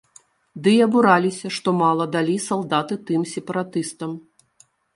Ды й абураліся, што мала далі салдаты тым сепаратыстам!